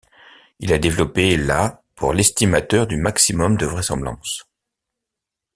Il a développé la pour l'estimateur du maximum de vraisemblance.